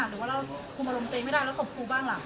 ได้เกิดว่ารับครูมาลงเต๊งไม่ได้แล้วก็ตบครูบ้างละ